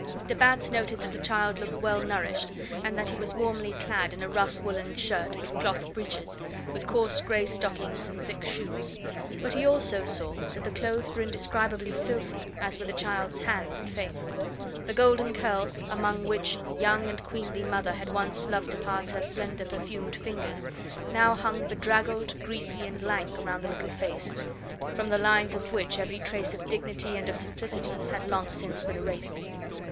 De Batz noted that the child looked well nourished, and that he was warmly clad in a rough woollen shirt and cloth breeches, with coarse grey stockings and thick shoes; but he also saw that the clothes were indescribably filthy, as were the child's hands and face. The golden curls, among which a young and queenly mother had once loved to pass her slender perfumed fingers, now hung bedraggled, greasy, and lank round the little face, from the lines of which every trace of dignity and of simplicity had long since been erased.